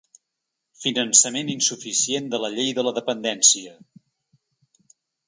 Finançament insuficient de la llei de la dependència.